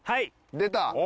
出た！